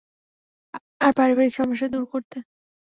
আর পারিবারিক সমস্যা দূর করতে।